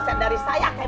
kalahkan dari saya kemet